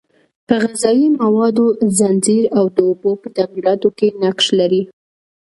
په غذایي موادو ځنځیر او د اوبو په تغییراتو کې نقش لري.